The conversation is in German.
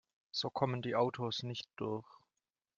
So kommen die Autos nicht durch.